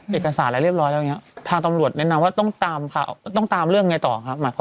หลังจากเดี๋ยวเมื่อวานอ่ะ